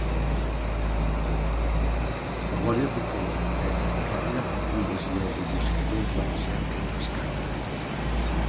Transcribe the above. La Guàrdia Fronterera Finesa treballa amb patrulles i aerolliscadors de recerca i rescat en aquestes aigües.